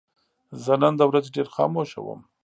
زه نن د ورځې ډېر خاموشه وم.